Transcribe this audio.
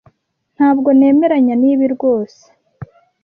Ntabwo nemeranya nibi rwose.